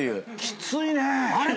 きついね。